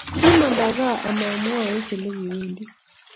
Kimanda gaa amamwoche olekiwendii